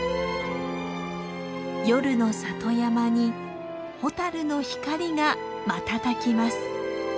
夜の里山にホタルの光が瞬きます。